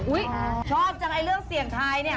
อุ๊ยชอบจังเลยเรื่องเสียงไทยเนี่ย